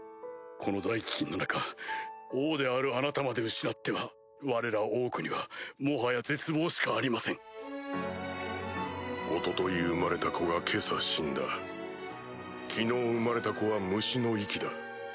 この大飢饉の中王であるあなたまで失ってはわれらオークにはもはや絶望しかありません一昨日生まれた子が今朝死んだ昨日生まれた子は虫の息だ